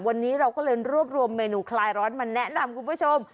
วันนี้เราก็เลยรวบรวมเมนูคลายร้อนมาแนะนำคุณผู้ชม